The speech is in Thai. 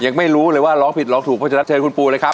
ยังไม่รู้เลยว่าร้องผิดร้องถูกเพราะฉะนั้นเชิญคุณปูเลยครับ